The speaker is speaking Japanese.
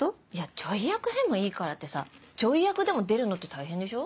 ちょい役でもいいからってさちょい役でも出るのって大変でしょ。